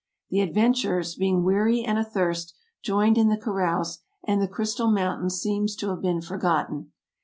" The adventurers, being weary THE EARLY EXPLORERS 51 and athirst, joined in the carouse, and the crystal mountain seems to have been forgotten.